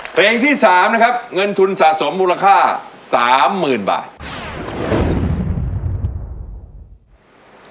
เพลงที่สามนะครับเงินทุนสะสมมูลค่าสามหมื่นบาท